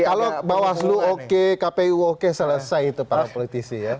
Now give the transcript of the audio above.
kalau bawaslu oke kpu oke selesai itu para politisi ya